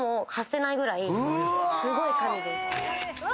すごい神です。